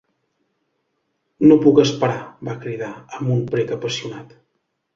"No puc esperar," va cridar, amb un prec apassionat.